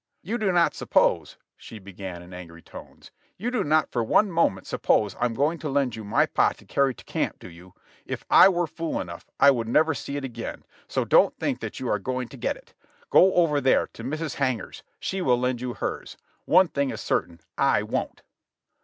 "You do not suppose," she began in angry tones, "you do not for one moment suppose I am going to lend you my pot to carry to camp, do you? If I were fool enough, I would never see it again, so don't think that you are going to get it. Go over there to Mrs. Hanger's, she will lend you hers; one thing is certain, / won't!"